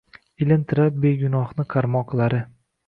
Ilintirar begunohni qarmoqlari